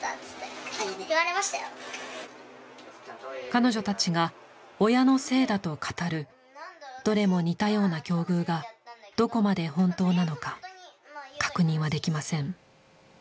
彼女たちが親のせいだと語るどれも似たような境遇がどこまで本当なのか確認はできません。